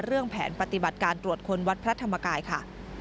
เรื่องแผนปฏิบัติการตรวจคนวัดพระธรรมกายค่ะ